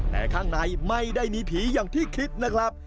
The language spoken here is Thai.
แต่ข้างในไม่ได้มีผีอย่างที่คิดนะครับ